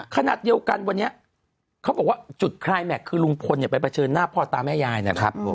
ขณะเดียวกันวันนี้เขาบอกว่าจุดคลายแม็กซคือลุงพลไปเผชิญหน้าพ่อตาแม่ยายนะครับ